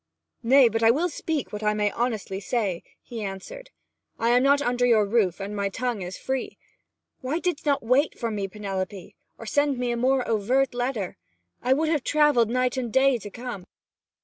'Nay, but I will speak what I may honestly say,' he answered. 'I am not under your roof, and my tongue is free. Why didst not wait for me, Penelope, or send to me a more overt letter? I would have travelled night and day to come!'